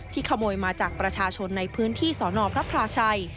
ขโมยมาจากประชาชนในพื้นที่สนพระพลาชัย